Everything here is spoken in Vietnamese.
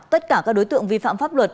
tất cả các đối tượng vi phạm pháp luật